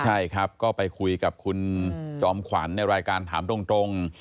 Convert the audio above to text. ใช่ครับก็ไปคุยกับคุณจอมขวัญในรายการถามตรง